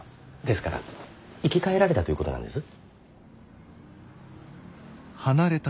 ですから生き返られたということなんです。